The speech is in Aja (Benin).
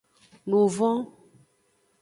Nuvon.